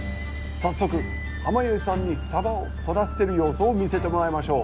早速浜家さんにサバを育てている様子を見せてもらいましょう。